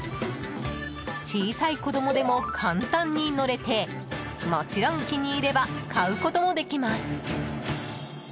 小さい子供でも簡単に乗れてもちろん気に入れば買うこともできます。